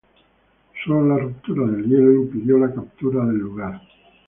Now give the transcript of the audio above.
Sólo la ruptura del hielo impidió la captura del lugar.